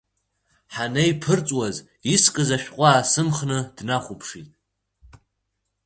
Ҳанеиԥырҵуаз искыз ашәҟәы аасымхны днахәаԥшит.